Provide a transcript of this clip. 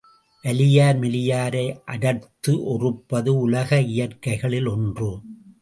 வலியார் மெலியாரை அடர்த்து ஒறுப்பது உலக இயற்கைகளில் ஒன்று.